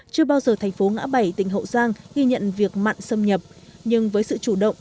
chưa bao giờ thành phố ngã bảy tỉnh hậu giang ghi nhận việc mặn xâm nhập nhưng với sự chủ động